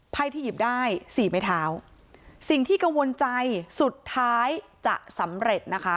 ไพ่ที่หยิบได้สี่ไม้เท้าสิ่งที่กังวลใจสุดท้ายจะสำเร็จนะคะ